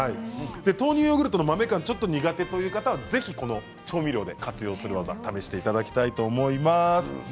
豆乳ヨーグルトの豆感がちょっと苦手という方は調味料で活用する技を試していただきたいと思います。